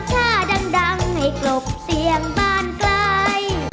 ถ้าดังให้กลบเสียงบ้านไกล